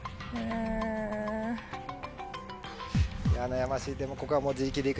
悩ましいでもここはもう。